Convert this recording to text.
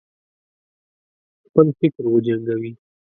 خپل فکر وجنګوي.